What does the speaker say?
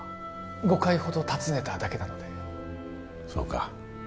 ５回ほど訪ねただけなのでそうか